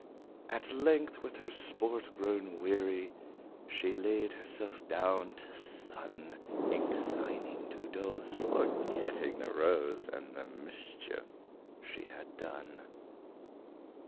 At length, with her sport grown weary, She laid herself down to sun, Inclining to doze, forgetting the rose And the mischief she had done.